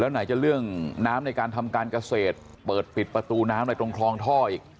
ไหนจะเรื่องน้ำในการทำการเกษตรเปิดปิดประตูน้ำอะไรตรงคลองท่ออีก